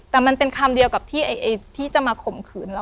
แต่มันเป็นคำเดียวกับที่จะมาข่มขืนเรา